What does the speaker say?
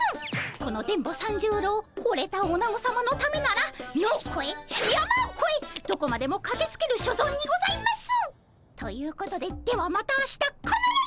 この電ボ三十郎ほれたおなごさまのためなら野をこえ山をこえどこまでもかけつける所存にございます！ということでではまた明日かならず！